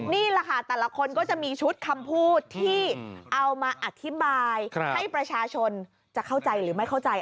นี่แหละค่ะแต่ละคนก็จะมีชุดคำพูดที่เอามาอธิบายให้ประชาชนจะเข้าใจหรือไม่เข้าใจ